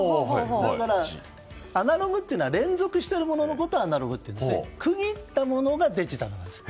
だからアナログというのは連続しているもののことで区切ったものがデジタルなんです。